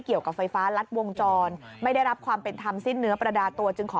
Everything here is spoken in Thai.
คุณท่านไม่รับความเป็นเกิดที่ถูก